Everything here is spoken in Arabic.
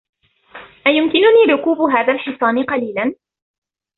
أيمكنني ركوب هذا الحصان قليلاً ؟